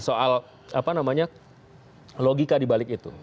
soal apa namanya logika dibalik itu